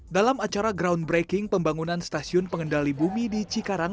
dalam acara groundbreaking pembangunan stasiun pengendali bumi di cikarang